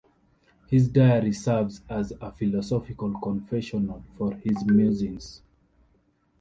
His diary serves as a philosophical confessional for his musings.